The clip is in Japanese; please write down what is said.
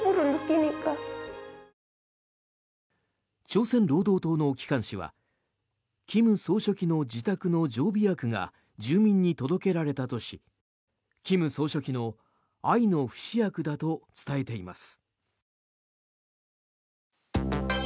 朝鮮労働党の機関紙は金総書記の自宅の常備薬が住民に届けられたとし金総書記の「愛の不死薬」だと伝えています。